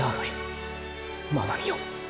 真波よ